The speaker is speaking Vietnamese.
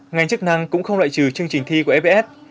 ngành chức năng cũng không lại trừ chương trình thi của ebs